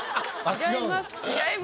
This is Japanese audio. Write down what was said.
違います。